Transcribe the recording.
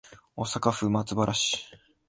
大阪府松原市